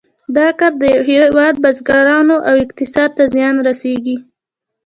دا کار د یو هېواد بزګرانو او اقتصاد ته زیان رسیږي.